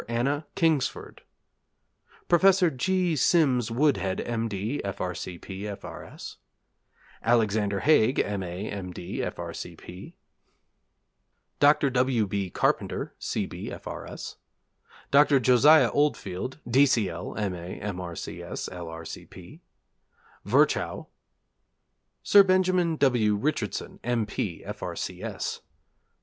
Anna Kingsford Professor G. Sims Woodhead, M.D., F.R.C.P., F.R.S. Alexander Haig, M.A., M.D., F.R.C.P. Dr. W. B. Carpenter, C.B., F.R.S. Dr. Josiah Oldfield, D.C.L., M.A., M.R.C.S., L.R.C.P. Virchow Sir Benjamin W. Richardson, M.P., F.R.C.S. Dr.